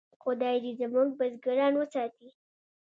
خدای دې زموږ بزګران وساتي.